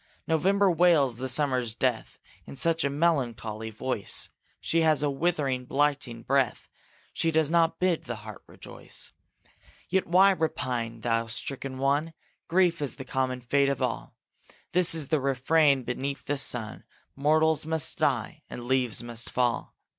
November wails the summer's death In such a melancholy voice, She has a withering, blighting breath; She does not bid the heart rejoice. Yet why repine, thou stricken one? Grief is the common fate of all. This the refrain beneath the sun: Mortals must die, and leaves must fall.